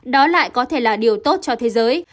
đó lại có thể là điều tốt cho thế giới